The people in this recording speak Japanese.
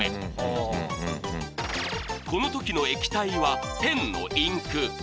この時の液体はペンのインク。